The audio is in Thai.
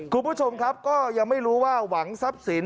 คุณผู้ชมครับก็ยังไม่รู้ว่าหวังทรัพย์สิน